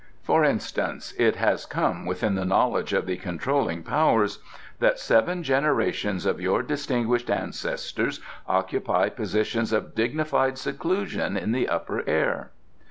For instance, it has come within the knowledge of the controlling Powers that seven generations of your distinguished ancestors occupy positions of dignified seclusion in the Upper Air."